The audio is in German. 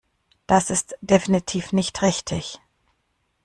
Das ist definitiv nicht richtig.